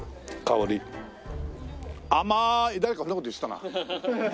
誰かそんな事言ってたな。